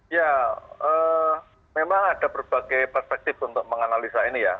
ya memang ada berbagai perspektif untuk menganalisa ini ya